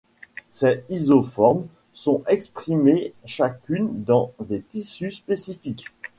Ces isoformes sont exprimées chacune dans des tissus spécifiques.